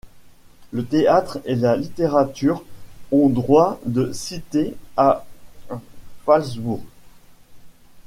Le théâtre et la littérature ont droit de cité à Phalsbourg.